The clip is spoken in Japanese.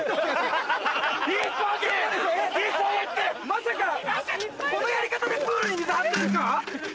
まさかこのやり方でプールに水張ってるんすか？